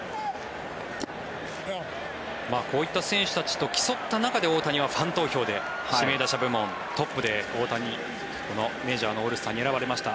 こういった選手たちと競った中で大谷はファン投票で指名打者部門トップで大谷はこのメジャーのオールスターに選ばれました。